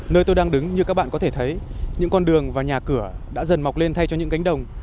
nơi tôi đang đứng như các bạn có thể thấy những con đường và nhà cửa đã dần mọc lên thay cho những cánh đồng